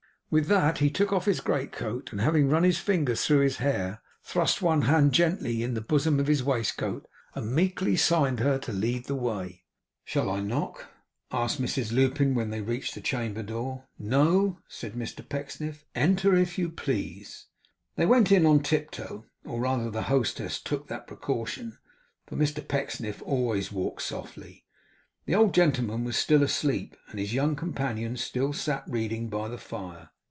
With that he took off his great coat, and having run his fingers through his hair, thrust one hand gently in the bosom of his waist coat and meekly signed to her to lead the way. 'Shall I knock?' asked Mrs Lupin, when they reached the chamber door. 'No,' said Mr Pecksniff, 'enter if you please.' They went in on tiptoe; or rather the hostess took that precaution for Mr Pecksniff always walked softly. The old gentleman was still asleep, and his young companion still sat reading by the fire.